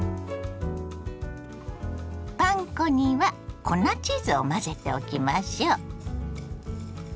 パン粉には粉チーズを混ぜておきましょ。